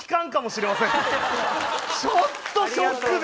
ちょっとショックで。